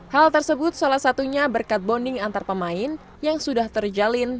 hal tersebut salah satunya berkat bonding antar pemain yang sudah terjalin